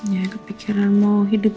ya kepikiran mau hidup